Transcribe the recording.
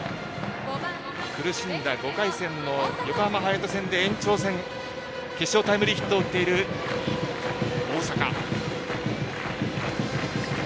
苦しんだ５回戦の横浜隼人戦で延長戦決勝タイムリーヒットを打っている大坂。